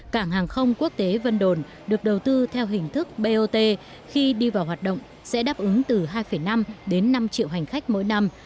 cảng hàng không quốc tế vân đồn được đầu tư theo hình thức bot khi đi vào hoạt động sẽ đáp ứng từ hai năm đến năm triệu hành khách mỗi năm